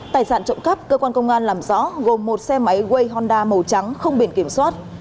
tài sản trộm cắp cơ quan công an làm rõ gồm một xe máy ây honda màu trắng không biển kiểm soát